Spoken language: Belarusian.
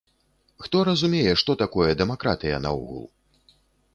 Хто разумее, што такое дэмакратыя наогул?